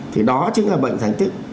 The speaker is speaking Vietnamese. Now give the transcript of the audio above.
thì đó chính là bệnh thành tích